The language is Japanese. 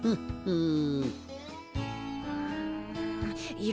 うん。